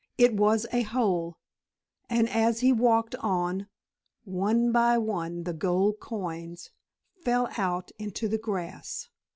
It was a hole, and, as he walked on, one by one the gold coins fell out into the grass.